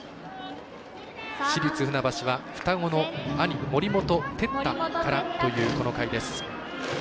市立船橋には双子の兄森本哲太からというこの回です。